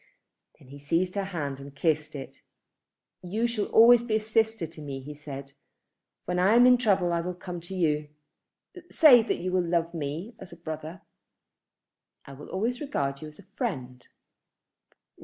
Then he seized her hand and kissed it. "You shall always be a sister to me," he said. "When I am in trouble I will come to you. Say that you will love me as a brother." "I will always regard you as a friend."